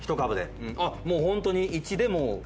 あっもうホントに１でも。